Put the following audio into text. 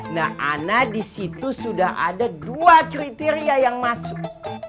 nah ana di situ sudah ada dua kriteria yang masuk